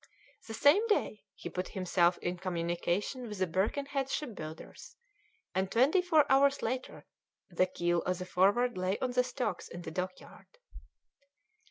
The same day he put himself in communication with the Birkenhead shipbuilders, and twenty four hours later the keel of the Forward lay on the stocks in the dockyard.